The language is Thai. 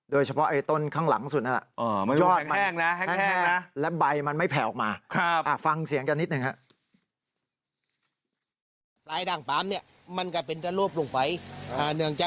โดยเฉพาะไอ้ต้นข้างหลังสุดนั่นแหละอ๋อแห้งนะ